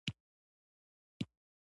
افغانستان د دښتې لپاره مشهور دی.